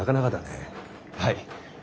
はい。